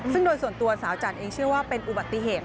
ซึ่งโดยส่วนตัวสาวจันทร์เองเชื่อว่าเป็นอุบัติเหตุ